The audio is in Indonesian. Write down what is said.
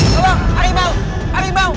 tolong harimau harimau